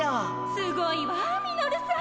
すごいわミノルさん。